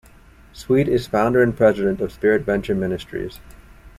Sweet is founder and President of "SpiritVenture Ministries".